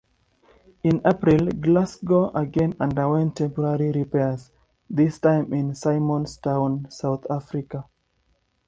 In April "Glasgow" again underwent temporary repairs, this time in Simonstown, South Africa.